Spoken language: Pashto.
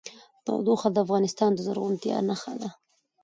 تودوخه د افغانستان د زرغونتیا نښه ده.